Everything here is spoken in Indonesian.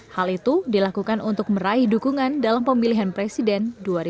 hal itu dilakukan untuk meraih dukungan dalam pemilihan presiden dua ribu sembilan belas